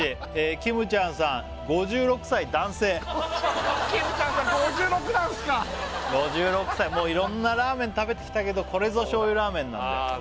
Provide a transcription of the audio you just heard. きむちゃんさん５６なんすか５６歳もういろんなラーメン食べてきたけどこれぞ醤油ラーメンなんだよ